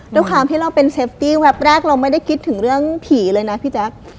ด้วยความที่เราเป็นเซฟตี้แวบแรกเราไม่ได้คิดถึงเรื่องผีเลยนะพี่แจ๊ค